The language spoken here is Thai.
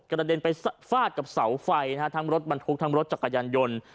กระเด็นไปฟาดกับเสาไฟทั้งรถบรรทุกทั้งรถจักรยานยนต์